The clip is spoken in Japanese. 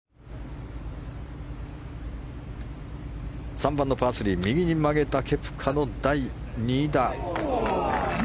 ３番のパー３右に曲げたケプカの第２打。